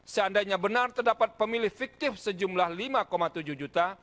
seandainya benar terdapat pemilih fiktif sejumlah lima tujuh juta